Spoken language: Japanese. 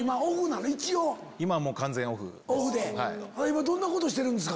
今どんなことしてるんですか？